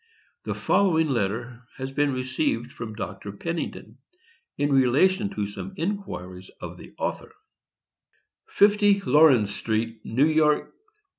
The following letter has been received from Dr. Pennington, in relation to some inquiries of the author: { 50 Laurens street, { _New York, Nov.